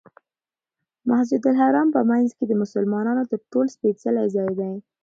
مسجدالحرام په منځ کې د مسلمانانو تر ټولو سپېڅلی ځای دی.